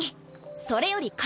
それより刀。